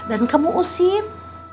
dan kamu usir